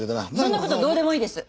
そんな事どうでもいいんです。